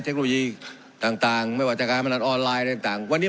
เทคโนโลยีต่างไม่ว่าจะการพนันออนไลน์อะไรต่างวันนี้